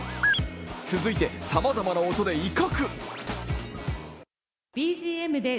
続いてさまざまな音で威嚇。